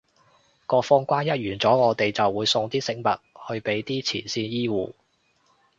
個封關一完咗，我哋就會送啲食物去畀啲前線醫護